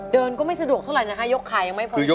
เดินก็ไม่สะดวกเท่าไรนะคะยกขายังไม่พ้นพื้น